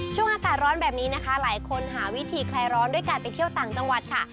ช่วงอากาศร้อนแบบนี้นะคะหลายคนหาวิธีคลายร้อนด้วยการไปเที่ยวต่างจังหวัดค่ะ